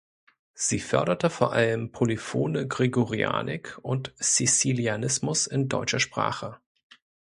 Sie förderte vor allem polyphone Gregorianik und Cäcilianismus in deutscher Sprache.